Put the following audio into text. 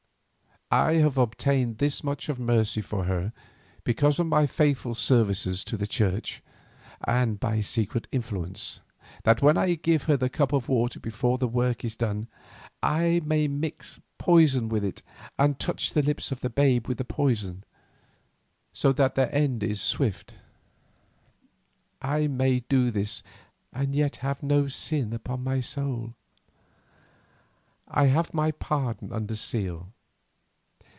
I have obtained this much of mercy for her because of my faithful services to the church and by secret influence, that when I give her the cup of water before the work is done, I may mix poison with it and touch the lips of the babe with poison, so that their end is swift. I may do this and yet have no sin upon my soul. I have my pardon under seal.